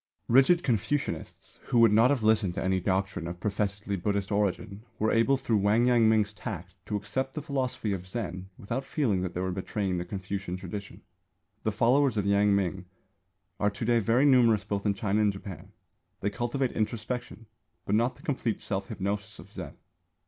Rigid Confucianists, who would not have listened to any doctrine of professedly Buddhist origin, were able through Wang Yang ming's tact to accept the philosophy of Zen without feeling that they were betraying the Confucian tradition. The followers of Yang ming are to day very numerous both in China and Japan. They cultivate introspection, but not the complete self hypnosis of Zen.